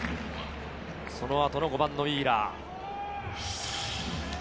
そのあとの５番のウィーラー。